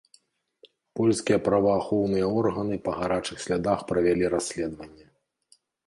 Польскія праваахоўныя органы па гарачых слядах правялі расследаванне.